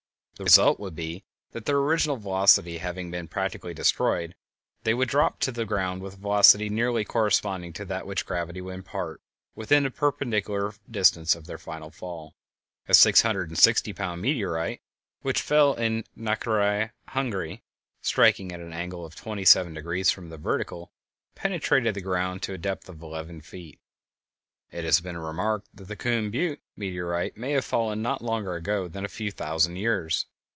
The result would be that, their original velocity having been practically destroyed, they would drop to the ground with a velocity nearly corresponding to that which gravity would impart within the perpendicular distance of their final fall. A six hundred and sixty pound meteorite, which fell at Knyahinya, Hungary, striking at an angle of 27° from the vertical, penetrated the ground to a depth of eleven feet. It has been remarked that the Coon Butte meteorite may have fallen not longer ago than a few thousand years.